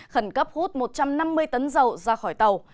khẩn cấp hút một trăm năm mươi tấn dầu ra khỏi tàu